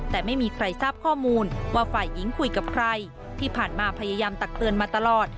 แต่ไม่มีใครทราบข้อมูลว่าฝ่ายหญิงคุยกับใครที่ผ่านมาพยายามตักเตือนมาตลอด